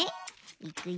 いくよ。